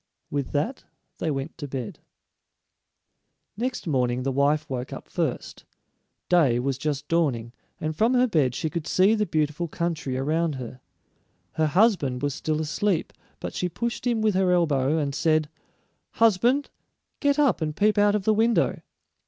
With that they went to bed. Next morning the wife woke up first; day was just dawning, and from her bed she could see the beautiful country around her. Her husband was still asleep, but she pushed him with her elbow, and said, "Husband, get up and peep out of the window.